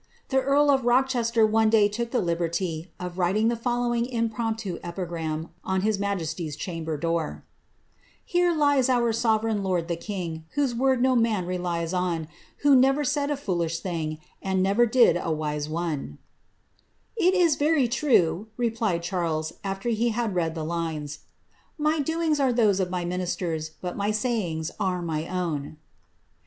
The carl of Rochester one day look the liberty of writing the folIowiBg impromptu epigram on his majesty's chamber door :—^ Here lies our sovereign lord the king, Whose word no mnn relics on; Who never said a foolish thing, And never did a wise one/' '* It is very true," replied Charles, after he had read the lines, ^Bf doingjt are those of my ministers, but my sayings are my own."